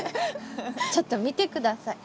ちょっと見て下さい。